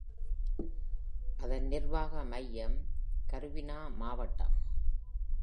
அதன் நிர்வாக மையம் Karviná மாவட்டம்.